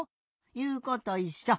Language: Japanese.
いうこといっしょ。